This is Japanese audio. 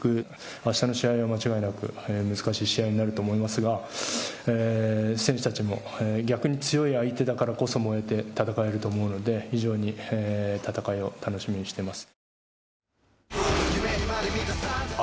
あしたの試合は、間違いなく難しい試合になると思いますが選手たちも逆に強い相手だからこそ燃えて戦えると思うので非常に戦いを楽しみにしています。